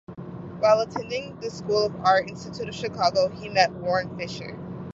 While attending the School of the Art Institute of Chicago he met Warren Fischer.